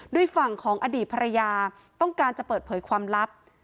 ฝั่งของอดีตภรรยาต้องการจะเปิดเผยความลับ